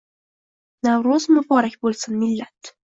Navro'z muborak bo'lsin, millat!